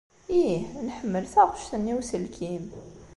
Ih, nḥemmel taɣect-nni n uselkim!